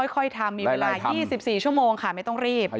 ค่อยทำมีเวลา๒๔ชั่วโมงค่ะไม่ต้องรีบ